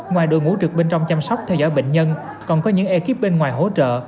ngoài đội ngũ trực bên trong chăm sóc theo dõi bệnh nhân còn có những ekip bên ngoài hỗ trợ